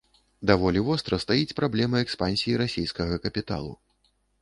Даволі востра стаіць праблема экспансіі расейскага капіталу.